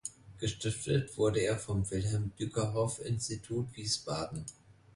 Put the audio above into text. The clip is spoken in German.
Gestiftet wurde er vom Wilhelm Dyckerhoff Institut, Wiesbaden.